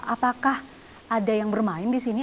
apakah ada yang bermain di sini